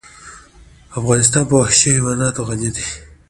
افغانستان په وحشي حیوانات غني دی.